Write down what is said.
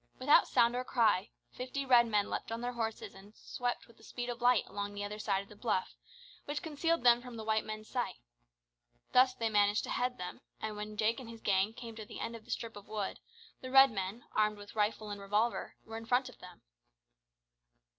Without sound or cry, fifty Red men leaped on their horses and swept with the speed of light along the other side of the bluff, which concealed them from the white men's sight. Thus they managed to head them, and when Jake and his gang came to the end of the strip of wood, the Red men, armed with rifle and revolver, were in front of them.